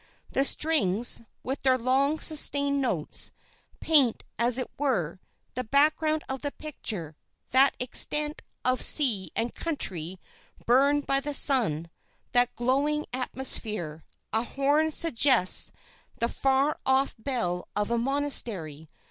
The strings, with their long sustained notes, paint, as it were, the background of the picture, that extent of sea and country burned by the sun, that glowing atmosphere; a horn suggests the far off bell of a monastery.